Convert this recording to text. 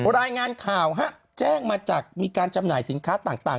รายงานข่าวแจ้งมาจากมีการจำหน่ายสินค้าต่าง